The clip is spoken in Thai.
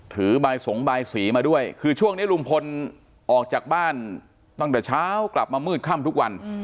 บายสงบายสีมาด้วยคือช่วงนี้ลุงพลออกจากบ้านตั้งแต่เช้ากลับมามืดค่ำทุกวัน